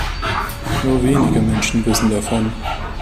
Nur wenige Menschen wissen davon.